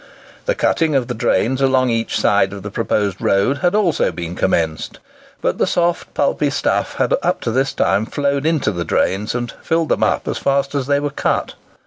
The cutting of the drains along each side of the proposed road had also been commenced; but the soft pulpy stuff had up to this time flowed into the drains and filled them up as fast as they were cut.